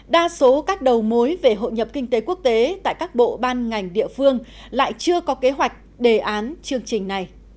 đa số các đầu mối về hội nhập kinh tế quốc tế tại các bộ ban ngành địa phương lại chưa có kế hoạch đề án chương trình này